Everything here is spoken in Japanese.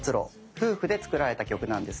夫婦で作られた曲なんですね。